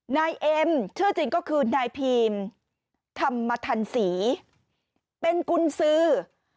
นายเอ็มชื่อจริงก็คือนายพีมธรรมทันศรีเป็นกุญสือ